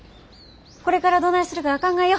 これからどないするか考えよ。